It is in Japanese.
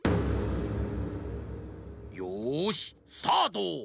よしスタート！